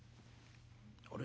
あれ？